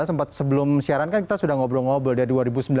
sempat sebelum siaran kan kita sudah ngobrol ngobrol dari dua ribu sembilan belas